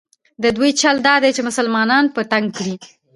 د دوی چل دا دی چې مسلمانان په تنګ کړي.